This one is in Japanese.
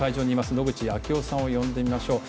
野口啓代さんを呼んでみましょう。